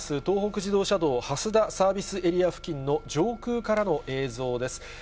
東北自動車道蓮田サービスエリア付近の上空からの映像です。